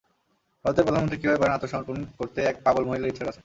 ভারতের প্রধানমন্ত্রী কিভাবে পারেন আত্মসমর্পণ করতে এক পাগল মহিলার ইচ্ছার কাছে।